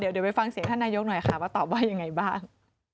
เดี๋ยวไปฟังเสียงท่านนายกหน่อยค่ะว่าตอบว่ายังไงบ้าง